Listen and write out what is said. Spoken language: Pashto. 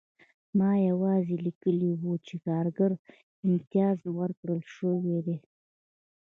ما یوازې لیکلي وو چې کارګر ته امتیاز ورکړل شوی دی